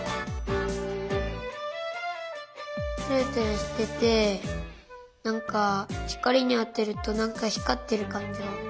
ツルツルしててなんかひかりにあてるとなんかひかってるかんじが。